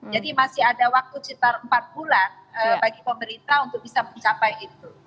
jadi masih ada waktu sekitar empat bulan bagi pemerintah untuk bisa mencapai itu